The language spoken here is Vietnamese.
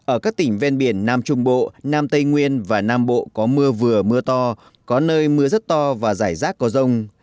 ở các tỉnh ven biển nam trung bộ nam tây nguyên và nam bộ có mưa vừa mưa to có nơi mưa rất to và rải rác có rông